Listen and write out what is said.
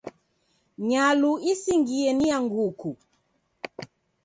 Nyalu isingie ni ya nguku.